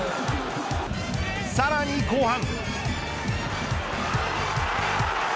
さらに後半。